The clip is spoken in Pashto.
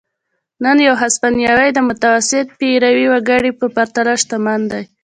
نن یو هسپانوی د متوسط پیرويي وګړي په پرتله شتمن دی.